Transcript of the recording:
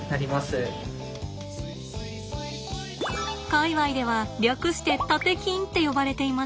界わいでは略してタテキンって呼ばれています。